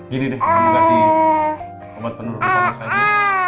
gini deh kamu kasih obat penuh untuk mas aja